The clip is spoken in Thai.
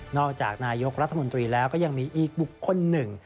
จากนายกรัฐมนตรีแล้วก็ยังมีอีกบุคคลหนึ่ง